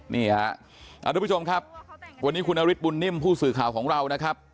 นี่ฮะทุกผู้ชมครับวันนี้คุณนฤทธบุญนิ่มผู้สื่อข่าวของเรานะครับ